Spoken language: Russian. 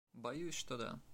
Боюсь, что да.